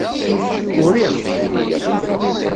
Uriɣ-t.